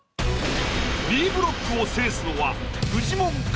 Ｂブロックを制すのはフジモンか？